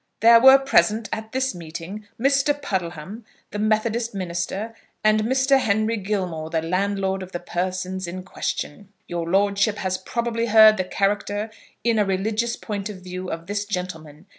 There were present at this meeting Mr. Puddleham, the Methodist minister, and Mr. Henry Gilmore, the landlord of the persons in question. Your lordship has probably heard the character, in a religious point of view, of this gentleman.